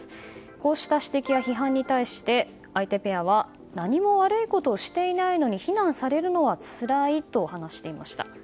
こうした指摘や批判に対して相手ペアは何も悪いことをしていないのに非難されるのはつらいと話していました。